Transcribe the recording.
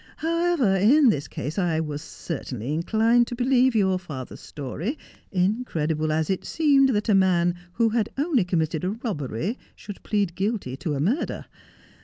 However, in this case I was certainly inclined to believe your father's story, incredible as it seemed that a man who had only committed a robbery should plead guilty to a murder.